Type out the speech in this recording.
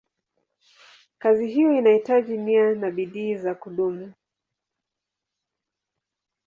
Kazi hiyo inahitaji nia na bidii za kudumu.